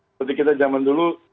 seperti kita zaman dulu